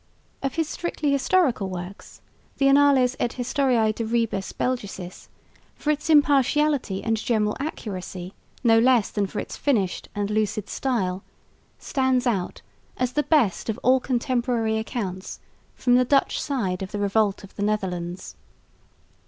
Of his strictly historical works the Annales et Historiae de Rebus Belgicis, for its impartiality and general accuracy no less than for its finished and lucid style, stands out as the best of all contemporary accounts from the Dutch side of the Revolt of the Netherlands.